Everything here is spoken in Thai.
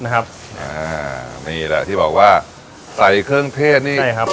อ่านี่แหละที่บอกว่าใส่เครื่องเทศนี่ใช่ครับ